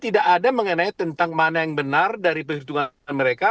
tidak ada mengenai tentang mana yang benar dari perhitungan mereka